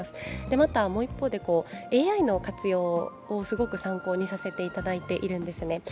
また、もう一方でＡＩの活用をすごく参考にさせていただいているんですね。